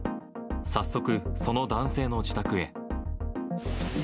早速、その男性の自宅へ。